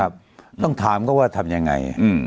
ครับต้องถามก็ว่าทำยังไง